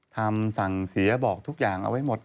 ทำสั่งเสียบอกทุกอย่างเอาไว้หมด